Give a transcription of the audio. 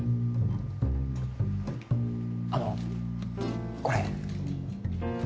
あのこれ。